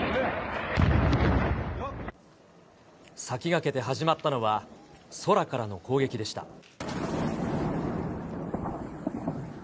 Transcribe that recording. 先駆けて始まったのは、空からの攻撃でした。